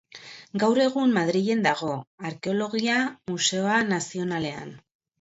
Gaur egun Madrilen dago, Arkeologia Museo Nazionalean.